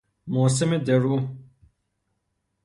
موسم درو